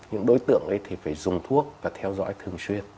những đối tượng ấy thì phải dùng thuốc và theo dõi thường xuyên